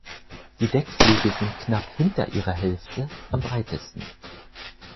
Die Deckflügel sind knapp hinter ihrer Hälfte am breitesten.